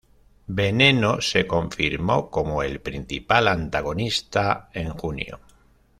Veneno se confirmó como el principal antagonista en junio.